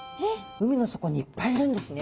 海の底にいっぱいいるんですね。